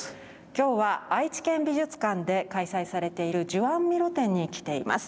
今日は愛知県美術館で開催されているジュアン・ミロ展に来ています。